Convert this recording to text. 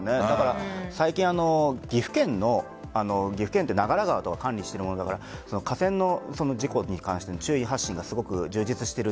最近、岐阜県の長良川とか管理しているから河川の事故に関して注意、発信が充実している。